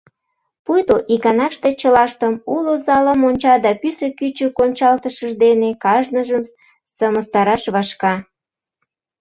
Пуйто иканаште чылаштым, уло залым онча да пӱсӧ-кӱчык ончалтышыж дене кажныжым сымыстараш вашка.